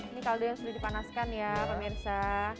ini kaldu yang sudah dipanaskan ya pemirsa